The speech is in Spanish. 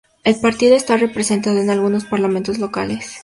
El partido está representado en algunos parlamentos locales.